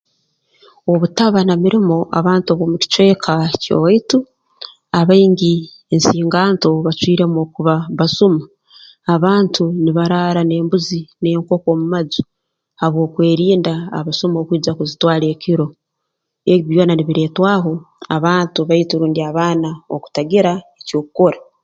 Obutaba na mirimo abantu b'omu kicweka ky'owaitu abaingi ensinganto bacwiremu okuba basuma abantu nibaraara n'embuzi n'enkoko mu maju habwokwerinda abasuma okwija kuzitwara ekiro ebi byona nibiretwaho abantu baitu rundi abaana okutagira eky'okukora